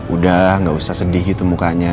udah gak usah sedih gitu mukanya